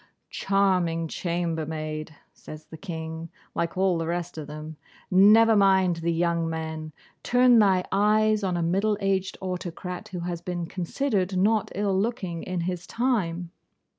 'Charming chambermaid,' says the King (like all the rest of them), 'never mind the young men! Turn thy eyes on a middle aged autocrat, who has been considered not ill looking in his time.